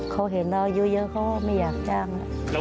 เขาเห็นว่ายกเยอะไม่อยากจ้าง